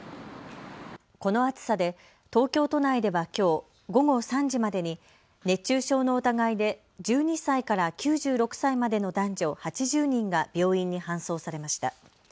この暑さで東京都内ではきょう午後３時までに熱中症の疑いで１２歳から９６歳までの男女８０人が病院に搬送されました。